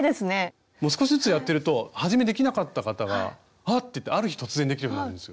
少しずつやってるとはじめできなかった方があっ！って言ってある日突然できるようになるんですよ。